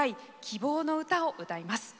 「希望のうた」を歌います。